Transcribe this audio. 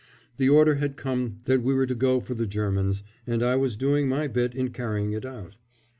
The order had come that we were to go for the Germans, and I was doing my bit in carrying it out.